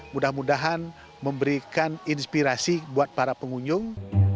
mudah mudahan memberikan inspirasi buat para pengunjung